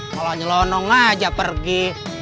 kalau nyelonong aja pergi